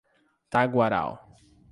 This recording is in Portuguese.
Taquaral